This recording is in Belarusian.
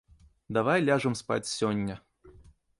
Давай ляжам спаць сёння.